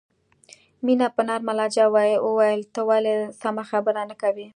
مینه په نرمه لهجه وویل ته ولې سمه خبره نه کوې